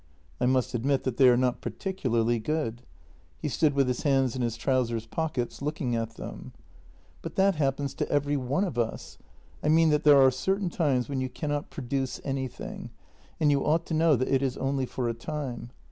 " I must admit that they are not particularly good." He stood with his hands in his trouser pockets looking at them. " But that happens to every one of us — I mean that there are certain times when you cannot produce anything, and you ought to know that it is only for a time.